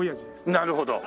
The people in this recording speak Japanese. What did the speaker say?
なるほど。